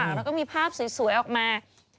แล้วก็มีภาพสวยออกมา